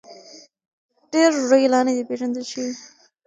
ډېر ژوي لا نه دي پېژندل شوي.